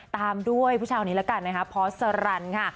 ตามด้วยผู้ชายนี้แล้วกันนะคะพอสรันค่ะ